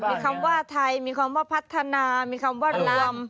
มีคำว่าไทยมีคำว่าพัฒนามีคำว่าลาม